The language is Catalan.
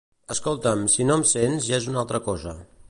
Escolta'm, si no em sents ja és una altra cosa